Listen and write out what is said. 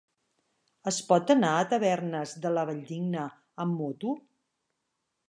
Es pot anar a Tavernes de la Valldigna amb moto?